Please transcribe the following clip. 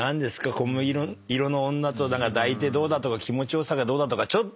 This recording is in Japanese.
小麦色の女と抱いてどうだとか気持ち良さがどうだとかちょっと。